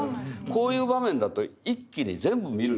こういう場面だと一気に全部見るんですよ。